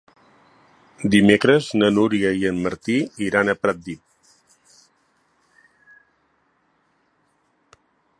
Dimecres na Dúnia i en Martí iran a Pratdip.